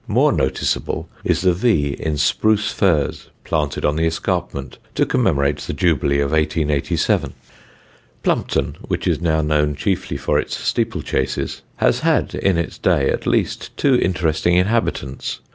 More noticeable is the "V" in spruce firs planted on the escarpment to commemorate the Jubilee of 1887. [Sidenote: THE SHEPHERD MATHEMATICIAN] Plumpton, which is now known chiefly for its steeplechases, has had in its day at least two interesting inhabitants.